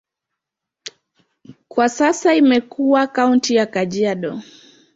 Kwa sasa imekuwa kaunti ya Kajiado.